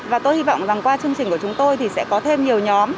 và tôi hy vọng rằng qua chương trình của chúng tôi thì sẽ có thêm nhiều nhóm